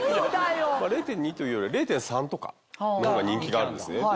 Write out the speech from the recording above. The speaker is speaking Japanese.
０．２というよりは０．３とかの方が人気があるんですね。